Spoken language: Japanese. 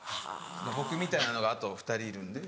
僕みたいなのがあと２人いるんで。